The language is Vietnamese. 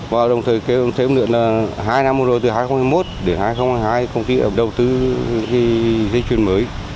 và đồng thời cái ứng lượng là hai năm mùa rồi từ hai nghìn một mươi một đến hai nghìn hai mươi hai công ty đầu tư dịch chuyển mới